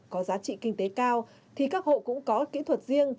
có giá trị kinh tế cao thì các hộ cũng có kỹ thuật riêng